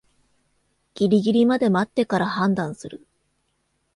ギリギリまで待ってから判断する